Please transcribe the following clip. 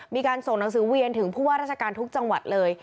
มีการส่งหนังสือเวียนถึงผู้ว่าราชการทุกจังหวัดเลย